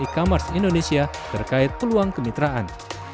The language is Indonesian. e commerce indonesia terkait peluang kemitraan